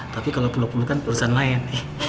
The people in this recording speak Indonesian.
tapi kalo perlu perlukan urusan lain